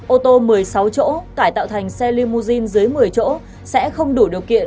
ô tô một mươi sáu chỗ cải tạo thành xe limousine dưới một mươi chỗ sẽ không đủ điều kiện